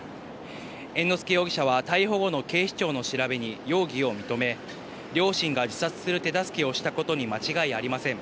猿之助容疑者は逮捕後の警視庁の調べに容疑を認め、両親が自殺する手助けをしたことに間違いありません。